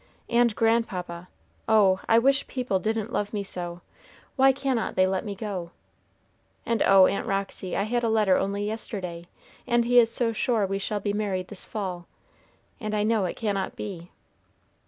and grandpapa, oh, I wish people didn't love me so! Why cannot they let me go? And oh, Aunt Roxy, I had a letter only yesterday, and he is so sure we shall be married this fall, and I know it cannot be."